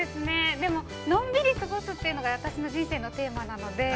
のんびり過ごすというのが、私の人生のテーマなので。